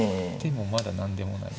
まだ何でもない。